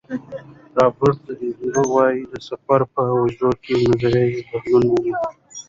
رابرټ ایزنبرګ وايي، د سفر په اوږدو کې نظر یې بدلون وموند.